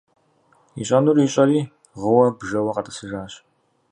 Ищӏэнур ищӏэри гъыуэ-бжэуэ къэтӏысыжащ.